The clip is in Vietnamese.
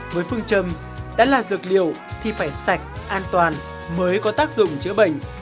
với phương châm đã là dược liệu thì phải sạch an toàn mới có tác dụng chữa bệnh